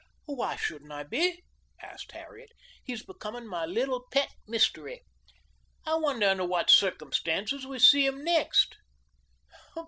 "Why shouldn't I be?" asked Harriet. "He's becoming my little pet mystery. I wonder under what circumstances we see him next?"